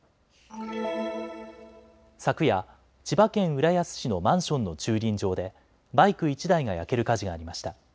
昨夜、千葉県浦安市のマンションの駐輪場でバイク１台が焼ける火事がありました。